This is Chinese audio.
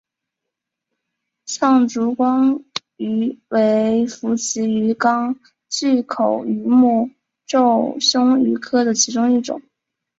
象烛光鱼为辐鳍鱼纲巨口鱼目褶胸鱼科的其中一种。